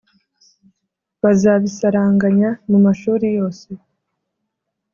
bazabisaranganya mu mashuri yose